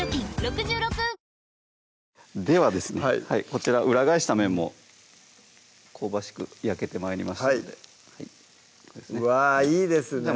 こちら裏返した面も香ばしく焼けて参りましたのでうわぁいいですね